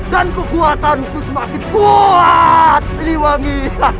dan kekuatan aku semakin kuat siliwangi